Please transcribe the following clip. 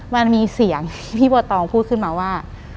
มันมีเสียงพี่บัวตองพูดขึ้นมาว่า